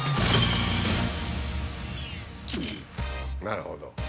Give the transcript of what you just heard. なるほど。